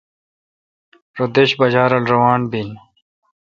رو دش باجہ رل روان بین۔